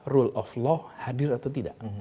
rule of law hadir atau tidak